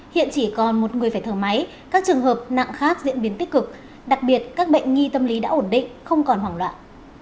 hiện chỉ còn một người phải thở máy các trường hợp nặng khác diễn biến tích cực đặc biệt các bệnh nghi tâm lý đã ổn định không còn hoảng loạn